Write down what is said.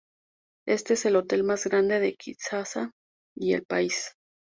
Este es el hotel más grande de Kinsasa y el país.